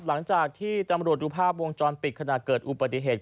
หลังจากที่ตำรวจดูภาพวงจรปิดขณะเกิดอุบัติเหตุ